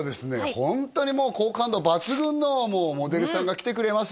ホントにもう好感度抜群のモデルさんが来てくれます